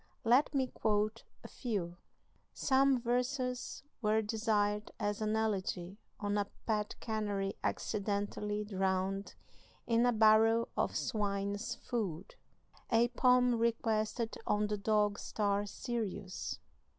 Let me quote a few: "Some verses were desired as an elegy on a pet canary accidentally drowned in a barrel of swine's food. "A poem requested on the dog star Sirius.